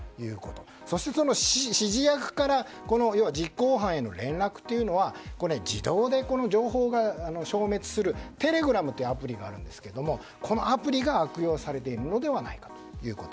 そして、その指示役から実行犯への連絡は自動で情報が消滅するテレグラムっていうアプリがあるんですがそのアプリが悪用されているのではないかということ。